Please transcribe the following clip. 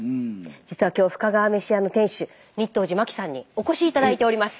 実は今日深川めし屋の店主日東寺麻紀さんにお越し頂いております。